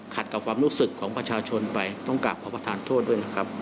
กับความรู้สึกของประชาชนไปต้องกลับขอประทานโทษด้วยนะครับ